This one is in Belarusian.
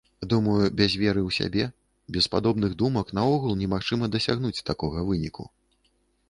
Думаю, без веры ў сябе, без падобных думак наогул немагчыма дасягнуць такога выніку.